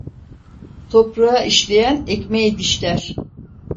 Toprağı işleyen, ekmeği dişler.